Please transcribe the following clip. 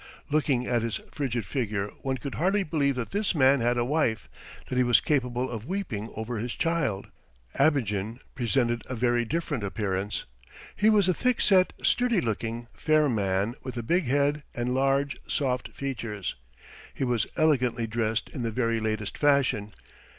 Looking at his frigid figure one could hardly believe that this man had a wife, that he was capable of weeping over his child. Abogin presented a very different appearance. He was a thick set, sturdy looking, fair man with a big head and large, soft features; he was elegantly dressed in the very latest fashion.